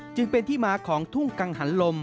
จึงเป็นที่มาของทุ่งกังหันลม